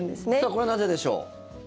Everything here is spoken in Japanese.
これはなぜでしょう。